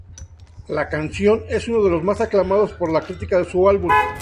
La canción es uno de los más aclamados por la crítica de su álbum.